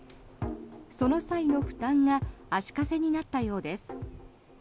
その際の負担が足かせになったようです。